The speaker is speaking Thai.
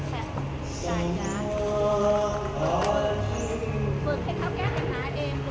สวัสดีครับสวัสดีครับ